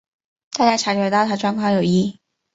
大家察觉到她状况有异